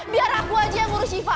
biar aku aja yang ngurus hifa